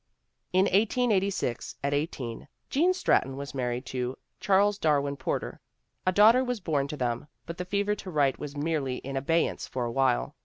' In 1886, at eighteen, Gene Stratton was married to Charles Darwin Porter. A daughter was born to them, but the fever to write was merely in abeyance for a while.